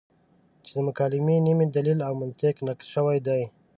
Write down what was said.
چې د مکالمې نیم دلیل او منطق نقص شوی دی.